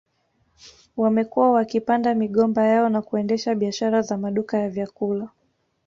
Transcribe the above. Wamekuwa wakipanda migomba yao na kuendesha biashara za maduka ya vyakula